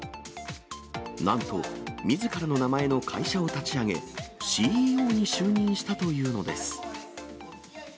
なんと、みずからの名前の会社を立ち上げ、ＣＥＯに就任したというのです。